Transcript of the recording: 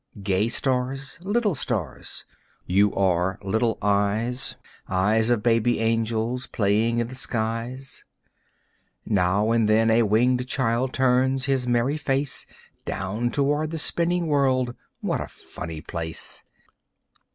Gay stars, little stars, you are little eyes, Eyes of baby angels playing in the skies. Now and then a winged child turns his merry face Down toward the spinning world what a funny place!